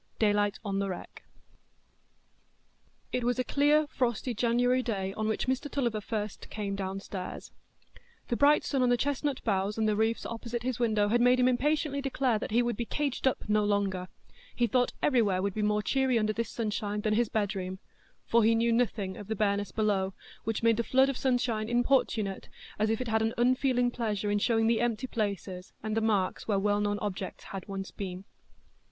Daylight on the Wreck It was a clear frosty January day on which Mr Tulliver first came downstairs. The bright sun on the chestnut boughs and the roofs opposite his window had made him impatiently declare that he would be caged up no longer; he thought everywhere would be more cheery under this sunshine than his bedroom; for he knew nothing of the bareness below, which made the flood of sunshine importunate, as if it had an unfeeling pleasure in showing the empty places, and the marks where well known objects once had been.